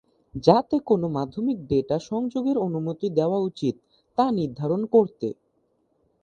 যাতে কোন মাধ্যমিক ডেটা সংযোগের অনুমতি দেওয়া উচিত, তা নির্ধারণ করতে।